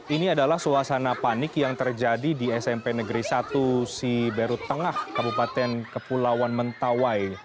ini adalah suasana panik yang terjadi di smp negeri satu siberut tengah kabupaten kepulauan mentawai